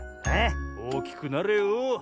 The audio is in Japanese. おおきくなれよ。